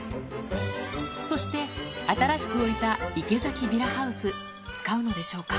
そして、新しく置いた池崎ヴィラハウス、使うのでしょうか。